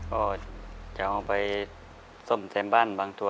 ก็จะเอาไปซ่อมแซมบ้านบางตัว